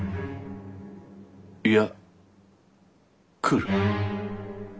いや来る。